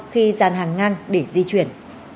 khi dàn hàng ngang để di chuyển